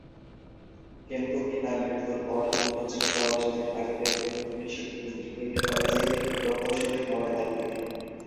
কিন্তু পিতার মৃত্যুর পর দ্রুত জীবিকা অর্জনের তাগিদে ভর্তি হলেন শিবপুর ইঞ্জিনিয়ারিং কলেজে, প্রকৌশলী হওয়ার লক্ষ্য নিয়ে।